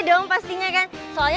terus hatinya juga